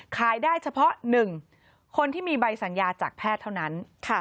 ขายได้เฉพาะ๑คนที่มีใบสัญญาจากแพทย์เท่านั้น